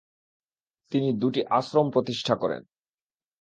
তিনি দুটি আশ্রম প্রতিষ্ঠা করেন।